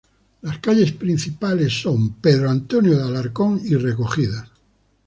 Las calles principales son Dundas Street y Centre Street.